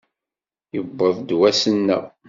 Yewweḍ-d wass-nneɣ!